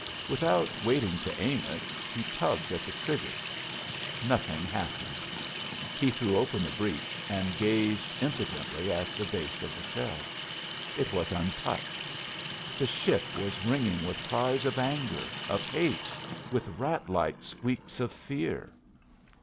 Without waiting to aim it, he tugged at the trigger. Nothing happened! He threw open the breech and gazed impotently at the base of the shell. It was untouched. The ship was ringing with cries of anger, of hate, with rat like squeaks of fear.